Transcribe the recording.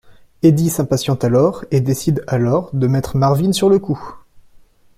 Eddie s'impatiente alors, et décide alors de mettre Marvin sur le coup.